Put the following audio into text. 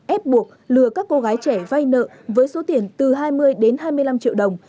ép buộc lừa các cô gái trẻ vay nợ với số tiền từ hai mươi đến hai mươi năm triệu đồng